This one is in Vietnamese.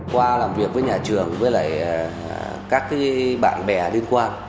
qua làm việc với nhà trường với các bạn bè liên quan